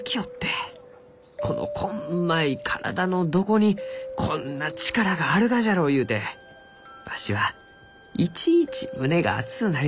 このこんまい体のどこにこんな力があるがじゃろうゆうてわしはいちいち胸が熱うなります」。